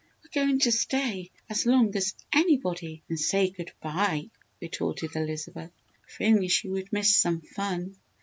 "We're going to stay as long as anybody and say good bye," retorted Elizabeth, fearing she would miss some fun.